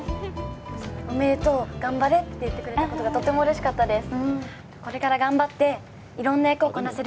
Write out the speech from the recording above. おめでとう頑張れって言ってくれたことがとてもうれしかったです。